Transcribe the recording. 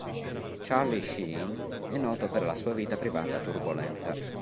Charlie Sheen è noto per la sua vita privata turbolenta.